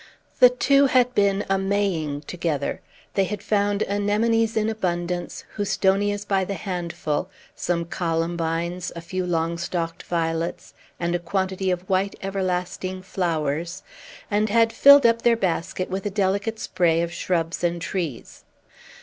The two had been a maying together. They had found anemones in abundance, houstonias by the handful, some columbines, a few long stalked violets, and a quantity of white everlasting flowers, and had filled up their basket with the delicate spray of shrubs and trees.